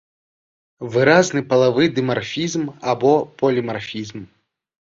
Выразны палавы дымарфізм або полімарфізм.